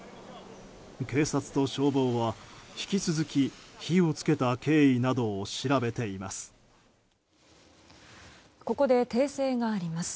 警察と消防は引き続き、火を付けた経緯などを調べています。